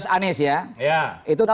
anis ya itu tiga tujuh